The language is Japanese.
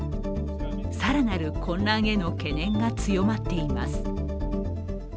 更なる混乱への懸念が強まっています。